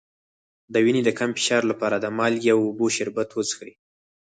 د وینې د کم فشار لپاره د مالګې او اوبو شربت وڅښئ